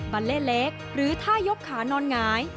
บาเล่เล็กหรือท่ายกขานอนหงาย